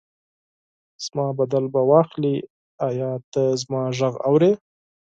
زما بدل به واخلي، ایا ته زما غږ اورې؟